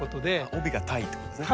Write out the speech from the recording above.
「帯」が「帯」ってことですね。